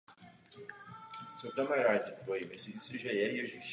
Po ostatních stavbách se nenacházejí velké pozůstatky.